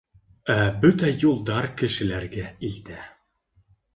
Ә бөтә юлдар кешеләргә илтә.